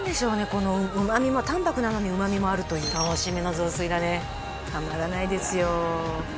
この旨味も淡泊なのに旨味もあるというか締めの雑炊だねたまらないですよ